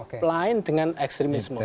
orang orang yang terlibat dengan ekstremisme